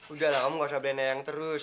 udah lah kamu gak usah belan belan eyang terus